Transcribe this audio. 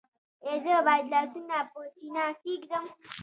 ایا زه باید لاسونه په سینه کیږدم؟